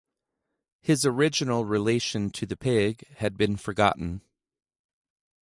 His original relation to the pig had been forgotten.